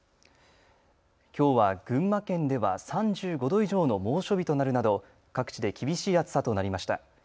きょうは群馬県では３５度以上の猛暑日となるなど各地で厳しい暑さとなりました。